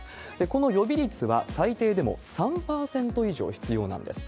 この予備率は最低でも３％以上必要なんです。